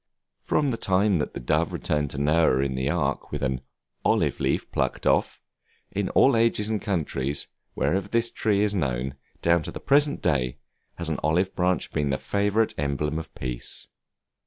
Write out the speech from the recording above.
From the time that the dove returned to Noah in the Ark with an "olive leaf plucked off," in all ages and countries, wherever this tree is known, down to the present day, has an olive branch been the favorite emblem of peace.